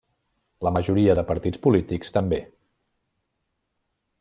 La majoria de partits polítics també.